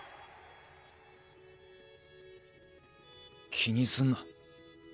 気にすんな。